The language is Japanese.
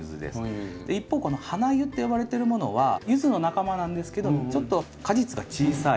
一方このハナユって呼ばれてるものはユズの仲間なんですけどちょっと果実が小さい。